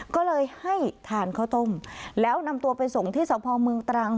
ก็เลยให้ทานข้าวต้มแล้วนำตัวไปส่งที่สพเมืองตรัง